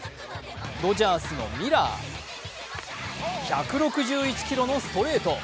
ドジャースのミラー１６１キロのストレート。